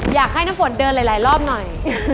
อยากให้น้ำฝนเดินหลายรอบหน่อย